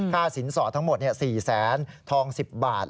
ค่าสินสอบทั้งหมด๔๑๐๐๐๐บาท